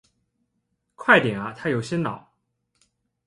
快点啊他有点恼